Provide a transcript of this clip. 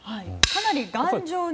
かなり頑丈に。